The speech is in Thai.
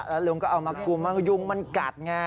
แล้วลุงก็เอามาคุมยุงมันกัดไง